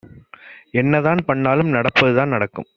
என்னதான் பண்ணாலும் நடப்பது தான் நடக்கும்